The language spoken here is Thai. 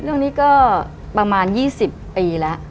เรื่องนี้ก็ประมาณ๒๐ปีแล้ว